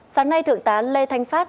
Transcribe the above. sáng nay thượng tá lê thanh phát